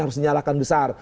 harus dinyalakan besar